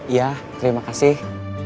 iya terima kasih